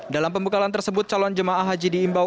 dalam pembekalan tersebut calon jemaah haji diimbau